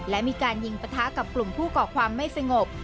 และมีการยิงปะทะกับกลุ่มผู้ก่อความไม่สงบ